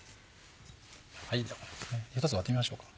一つ割ってみましょうか？